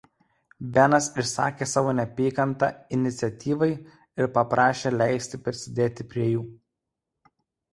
Benas išsakė savo neapykantą Iniciatyvai ir paprašė leisti prisidėti prie jų.